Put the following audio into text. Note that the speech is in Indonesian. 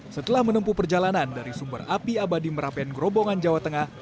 setelah menempuh perjalanan dari sumber api abadi merapen gerobongan jawa tengah